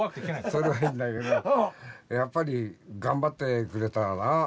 それはいいんだけどやっぱり頑張ってくれたらな